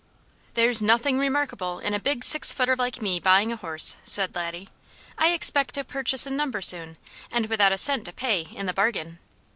"There's nothing remarkable in a big six footer like me buying a horse," said Laddie. "I expect to purchase a number soon, and without a cent to pay, in the bargain.